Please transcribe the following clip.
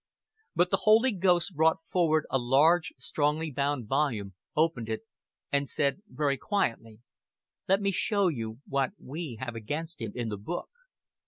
But the Holy Ghost brought forward a large strongly bound volume, opened it, and said very quietly, "Let Me show You what We have against him in the book."